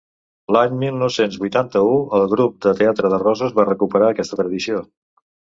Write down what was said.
L'any mil nou-cents vuitanta-u el Grup de Teatre de Roses va recuperar aquesta tradició.